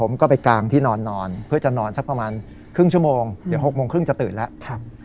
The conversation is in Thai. ผมก็ไปกางที่นอนเพื่อจะนอนสักประมาณครึ่งชั่วโมงเดี๋ยว๖โมงครึ่งจะตื่นแล้ว